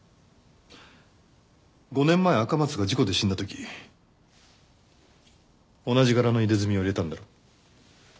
５年前赤松が事故で死んだ時同じ柄の入れ墨を入れたんだろ。